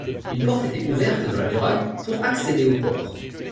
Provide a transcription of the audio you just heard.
Une porte était ouverte dans la muraille pour accéder au port.